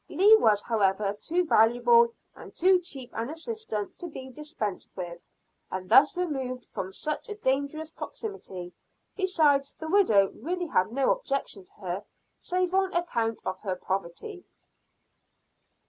Leah was however too valuable and too cheap an assistant to be dispensed with, and thus removed from such a dangerous proximity, besides the widow really had no objection to her, save on account of her poverty.